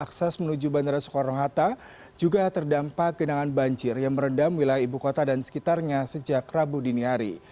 akses menuju bandara soekarno hatta juga terdampak genangan banjir yang merendam wilayah ibu kota dan sekitarnya sejak rabu dini hari